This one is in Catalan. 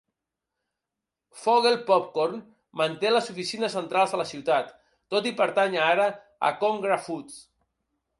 Vogel Popcorn manté les oficines centrals a la ciutat, tot i pertànyer ara a ConAgra Foods.